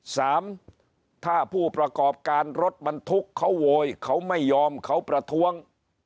สามถ้าผู้ประกอบการรถบรรทุกเขาโวยเขาไม่ยอมเขาประท้วง